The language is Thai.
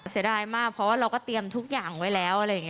เสียดายมากเพราะว่าเราก็เตรียมทุกอย่างไว้แล้ว